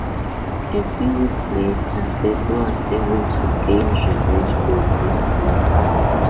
A few weeks later, Seppi was able to gain revenge for this loss.